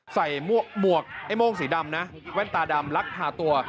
หมวกไอ้โม่งสีดำนะแว่นตาดำลักพาตัว